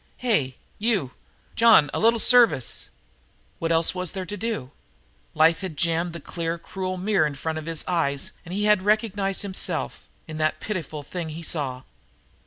Hey you, John, a little service!" What else was there to do? Life had jammed the clear, cruel mirror in front of his eyes and he had recognized himself in that pitiful thing he saw.